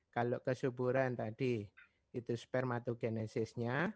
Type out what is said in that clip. kalau kesuburan tadi itu spermatogenesisnya